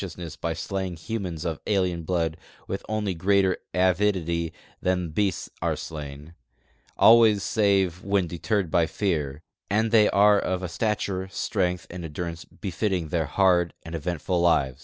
mess by slaying humans of alien blood with only greater avidity than beasts are slain, always save when dctemal by f(>ar ; and they are of a stature, strength, and endurance befitting their hard and eventful lives.